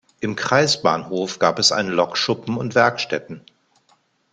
Im Kreisbahnhof gab es einen Lokschuppen und Werkstätten.